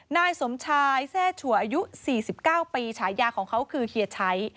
นายสมชายแทร่ชัวอายุ๔๙ปีฉายาของเขาคือเฮียชัย